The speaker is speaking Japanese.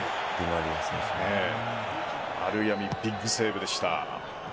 アルヤミビッグセーブでした。